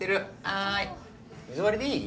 はい。